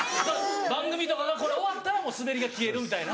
番組とかがこれ終わったらスベリが消えるみたいな。